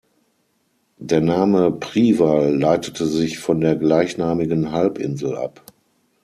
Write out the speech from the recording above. Der Name Priwall leitete sich von der gleichnamigen Halbinsel ab.